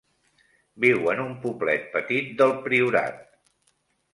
Viu en un poblet petit del Priorat.